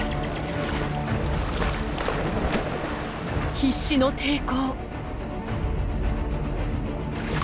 必死の抵抗。